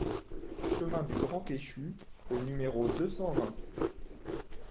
Chemin du Grand Péchu au numéro deux cent vingt